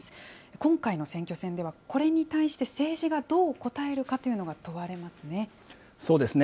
今回の選挙戦では、これに対して政治がどう応えるかというのが問そうですね。